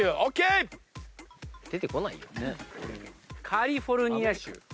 カリフォルニア州。